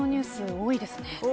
多いですね。